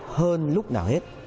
hơn lúc nào hết